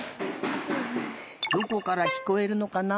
どこからきこえるのかな？